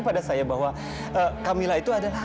pada saya bahwa camilla itu adalah